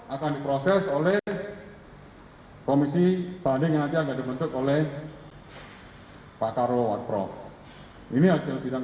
akan diproses oleh komisi banding aja gak dibentuk oleh pakarowat prof ini hasil sidang